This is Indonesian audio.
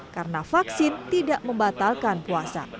karena vaksin tidak membatalkan puasa